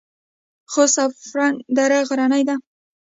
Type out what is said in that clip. د خوست او فرنګ دره غرنۍ ده